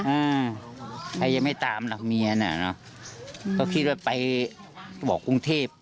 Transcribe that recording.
อืมใครยังไม่ตามหลักเมียน่ะอืมก็คิดว่าไปบอกกรุงเทพ